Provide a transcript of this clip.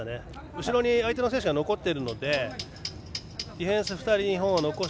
後ろに相手の選手が残っているのでディフェンス２人、日本は残し